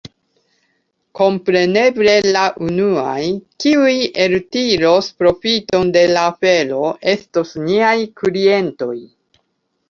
Kompreneble la unuaj, kiuj eltiros profiton de la afero, estos niaj klientoj.